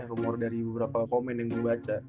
rumor dari beberapa komen yang gue baca